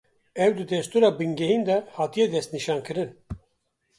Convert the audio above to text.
Ew di Destûra Bingehîn de hatîye destnîşan kirin